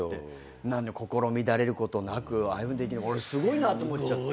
心乱れることなくああいうふうにできるの俺すごいなと思っちゃって。